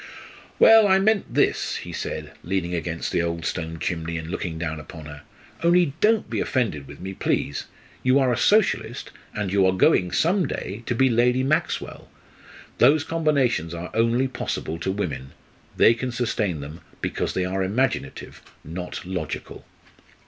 "Well, I meant this," he said, leaning against the old stone chimney and looking down upon her; "only don't be offended with me, please. You are a Socialist, and you are going some day to be Lady Maxwell. Those combinations are only possible to women. They can sustain them, because they are imaginative not logical."